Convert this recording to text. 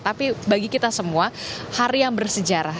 tapi bagi kita semua hari yang bersejarah